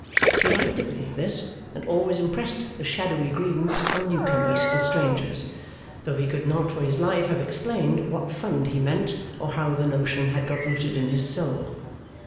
He liked to believe this, and always impressed the shadowy grievance on new comers and strangers; though he could not, for his life, have explained what Fund he meant, or how the notion had got rooted in his soul.